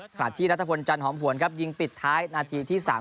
ขณะที่นัทพลจันหอมหวนครับยิงปิดท้ายนาทีที่๓๐